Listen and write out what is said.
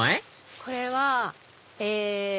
これはえ。